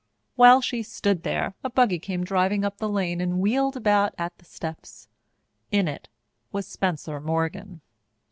While she stood there, a buggy came driving up the lane and wheeled about at the steps. In it was Spencer Morgan.